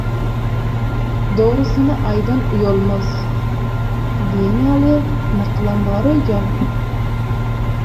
«Dogrusyny aýdan uýalmaz» diýen ýaly nakylam bar öýdýän.